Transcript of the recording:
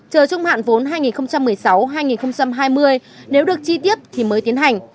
chờ trung hạn vốn hai nghìn một mươi sáu hai nghìn hai mươi nếu được chi tiết thì mới tiến hành